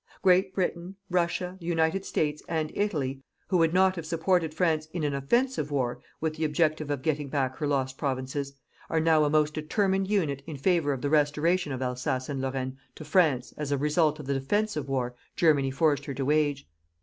Great Britain, Russia, the United States and Italy, who would not have supported France in an OFFENSIVE WAR with the objective of getting back her lost provinces, are now a most determined unit in favour of the restoration of Alsace and Lorraine to France as a result of the DEFENSIVE war Germany forced her to wage.